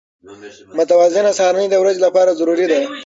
متوازنه سهارنۍ د ورځې لپاره ضروري ده.